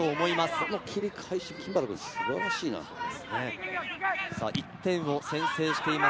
この切り替えし、金原君、素晴らしいと思います。